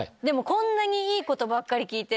こんなにいいことばっかり聞いて。